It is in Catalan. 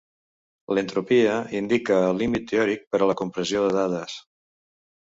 L'entropia indica el límit teòric per a la compressió de dades.